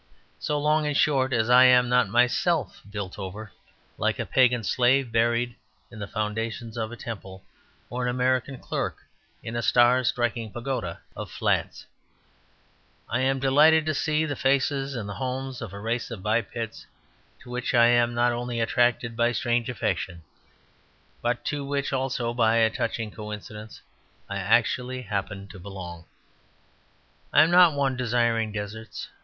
So long, in short, as I am not myself built over, like a pagan slave buried in the foundations of a temple, or an American clerk in a star striking pagoda of flats, I am delighted to see the faces and the homes of a race of bipeds, to which I am not only attracted by a strange affection, but to which also (by a touching coincidence) I actually happen to belong. I am not one desiring deserts.